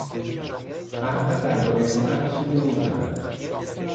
احمد دربارهی هنر چیزی نمیداند.